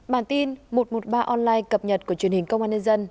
bản tin một trăm một mươi ba online cập nhật của truyền hình công an nhân dân